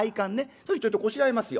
そこにちょいとこしらえますよ